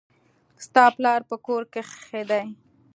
ستا پلار په کور کښي دئ.